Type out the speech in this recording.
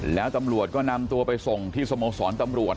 แล้วตำรวจก็นำตัวไปส่งที่สโมสรตำรวจ